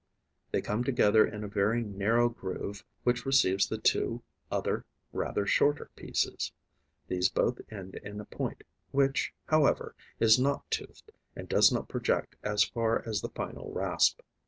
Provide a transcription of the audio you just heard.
They come together in a very narrow groove, which receives the two other, rather shorter pieces. These both end in a point, which, however, is not toothed and does not project as far as the final rasp.